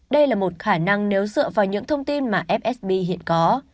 đây là một khả năng nếu dựa vào những thông tin mà fsb hiện có